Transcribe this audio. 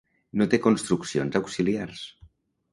No té construccions auxiliars.